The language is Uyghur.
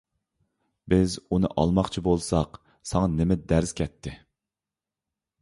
بىز ئۇنى ئالماقچى بولساق ساڭا نېمە دەز كەتتى؟